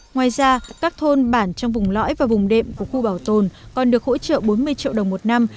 ngoài ra các thôn bản trong vùng lõi và vùng đệm của khu bảo tồn còn được hỗ trợ bốn mươi triệu đồng một năm